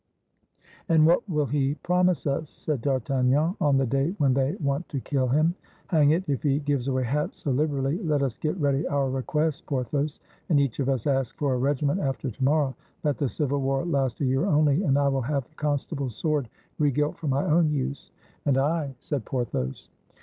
"And what will he promise us,"saidD'Artagnan, "on the day when they want to kill him? Hang it, if he gives away hats so liberally, let us get ready our requests, Porthos, and each of us ask for a regiment after to morrow. Let the civil war last a year only, and I will have the Constable's sword re gilt for my own use." "And I," said Porthos.